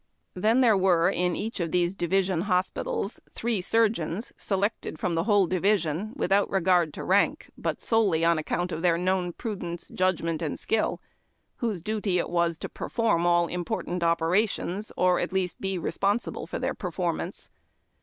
Then, there were in each of these division hospitals three surgeons, selected from the whole division, " without regard to rank, but solely on account of their known prudence, judg ment, and skill," whose duty it was to perform all important operations, or, at least, be responsible for their performance.